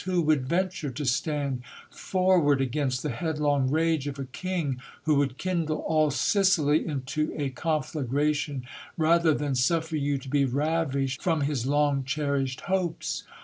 Who would venture to stand forward 'against the headlong rage of a king who would kindle all Sicily into a conflagration, rather than suffer you to be ravished from his long cherished hopes